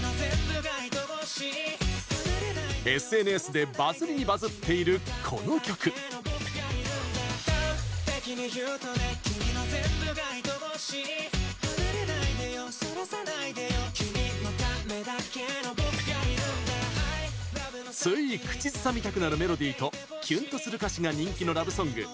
ＳＮＳ でバズりにバズっているこの曲。つい口ずさみたくなるメロディーとキュンとする歌詞が人気のラブソング